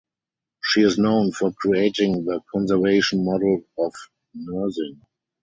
She is known for creating the Conservation Model of nursing.